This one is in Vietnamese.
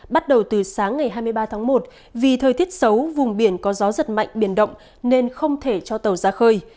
bắt đầu từ sáng ngày hai mươi ba tháng một vì thời tiết xấu vùng biển có gió giật mạnh biển động nên không thể cho tàu ra khơi